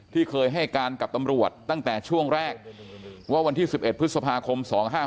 ที่เคยให้การกับตำรวจตั้งแต่ช่วงแรกว่าวันที่๑๑พฤษภาคม๒๕๖